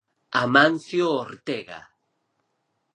Amancio Ortega.